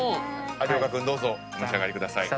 有岡君お召し上がりください。